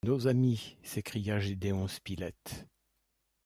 Nos amis! s’écria Gédéon Spilett.